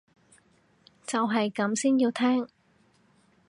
就係咁先要聽